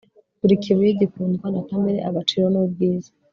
Buri kibuye gikundwa na kamere agaciro nubwiza